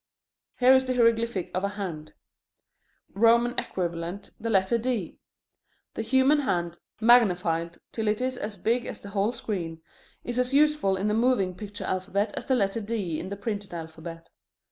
Here is the hieroglyphic of a hand: Roman equivalent, the letter D. The human hand, magnified till it is as big as the whole screen, is as useful in the moving picture alphabet as the letter D in the printed alphabet.